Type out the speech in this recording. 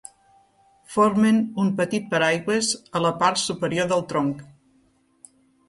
Formen un petit "paraigües" a la part superior del tronc.